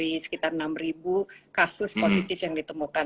bisa dikatakan setengahnya ya dari sekitar enam ribu kasus positif yang ditemukan